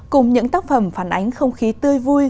cùng những tác phẩm phản ánh không khí tươi vui